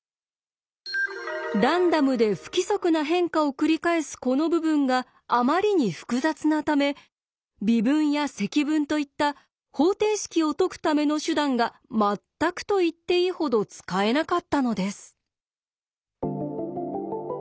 ランダムで不規則な変化を繰り返すこの部分があまりに複雑なため微分や積分といった方程式を解くための手段が全くと言っていいほど使えなかったのです。